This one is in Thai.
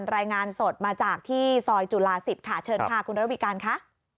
รายงานสดมาจากที่ซอยจุฬา๑๐ค่ะเชิญค่ะคุณระวิการค่ะ